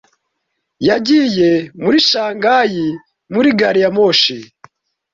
Yagiye muri Shanghai muri gari ya moshi.